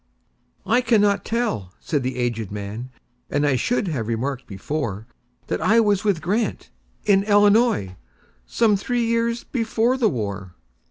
"I cannot tell," said the aged man,"And should have remarked before, That I was with Grant,—in Illinois,—Some three years before the war."